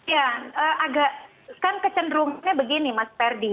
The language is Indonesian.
ya agak kan kecenderungannya begini mas ferdi